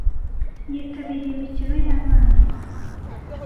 Yitabiriye imikino y'abana.